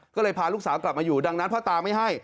ก็เลยพาลูกสาวกลับมาอยู่ดังนั้นพ่อตาไม่ให้